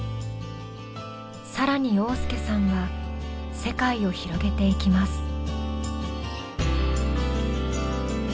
更に旺亮さんは世界を広げていきます。